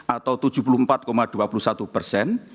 atau tujuh puluh empat dua puluh satu persen